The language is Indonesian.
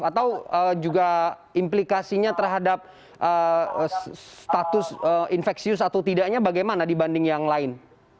atau juga implikasinya terhadap status infeksius atau tidaknya bagaimana dibanding yang lain